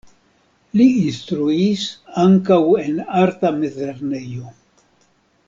Li instruis ankaŭ en arta mezlernejo.